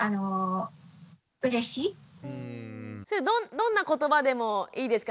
どんな言葉でもいいですか？